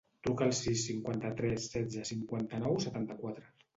Truca al sis, cinquanta-tres, setze, cinquanta-nou, setanta-quatre.